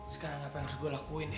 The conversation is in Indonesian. sekarang apa yang harus gue lakuin